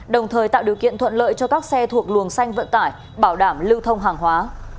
đồng thời tạo điều kiện thuận lợi cho các xe thuộc luồng xanh vận tải bảo đảm lưu thông hàng hóa